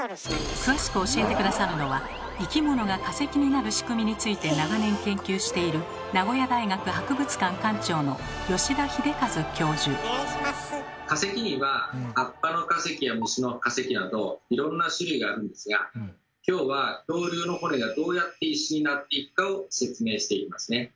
詳しく教えて下さるのは生き物が化石になる仕組みについて長年研究している化石には葉っぱの化石や虫の化石などいろんな種類があるんですが今日は恐竜の骨がどうやって石になっていくかを説明していきますね。